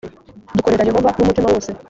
dukorera yehova n’umutima wose